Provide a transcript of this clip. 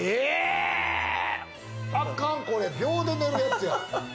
あかんこれ、秒で寝れるやつや。